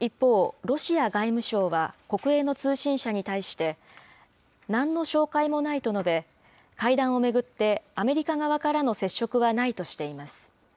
一方、ロシア外務省は国営の通信社に対して、なんの照会もないと述べ、会談を巡って、アメリカ側からの接触はないとしています。